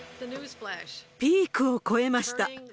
ピークを越えました。